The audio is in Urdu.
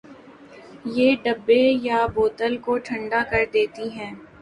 یہ ڈبے یا بوتل کو ٹھنڈا کردیتی ہے۔